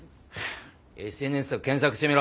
ＳＮＳを検索してみろ。